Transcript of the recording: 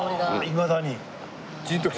いまだに？